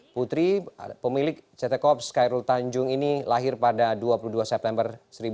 putri pemilik ct corp skyrul tanjung ini lahir pada dua puluh dua september seribu sembilan ratus empat puluh